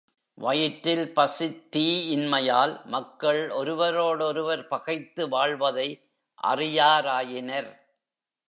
வயிற்றில் பசித் தீ இன்மையால், மக்கள் ஒருவரோடொருவர் பகைத்து வாழ்வதை அறியாராயினர்.